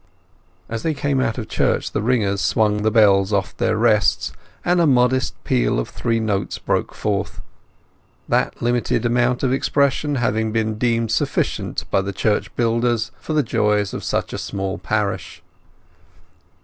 As they came out of church the ringers swung the bells off their rests, and a modest peal of three notes broke forth—that limited amount of expression having been deemed sufficient by the church builders for the joys of such a small parish.